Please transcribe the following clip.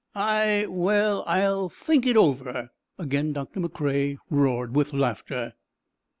"I—well, I'll think it over." Again Doctor McCrea roared with laughter.